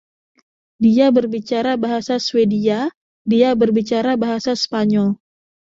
Dia berbicara bahasa Swedia, dia berbicara bahasa Spanyol.